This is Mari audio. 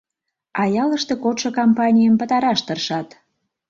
А ялыште кодшо кампанийым пытараш тыршат.